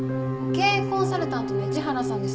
経営コンサルタントの市原さんです。